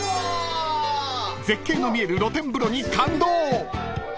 ［絶景の見える露天風呂に感動］